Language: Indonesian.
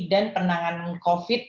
dan penanganan covid